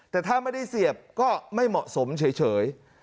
แต่ถ้าไม่ได้เสียบก็ไม่เหมาะสมเฉย